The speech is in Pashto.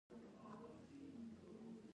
خاوره د افغانانو د ژوند طرز اغېزمنوي.